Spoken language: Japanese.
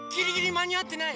まにあってない！